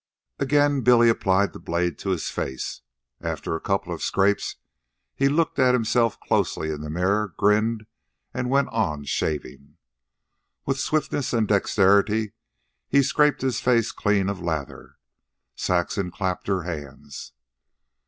Again Billy applied the blade to his face. After a couple of scrapes, he looked at himself closely in the mirror, grinned, and went on shaving. With swiftness and dexterity he scraped his face clean of lather. Saxon clapped her hands.